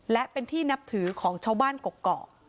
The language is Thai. และเป็นที่นับถือของชาวบ้านกกอก